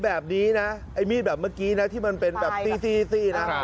แบบนี้นะไอ้มีดแบบเมื่อกี้นะที่มันเป็นแบบซี่นะ